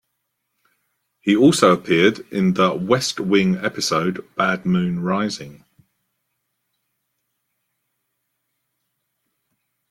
He also appeared in "The West Wing" episode "Bad Moon Rising".